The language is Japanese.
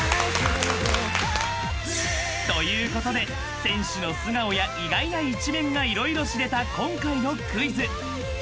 ［ということで選手の素顔や意外な一面が色々知れた今回のクイズ］